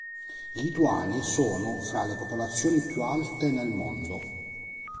I lituani sono fra le popolazioni più alte nel mondo.